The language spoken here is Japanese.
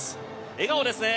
笑顔ですね。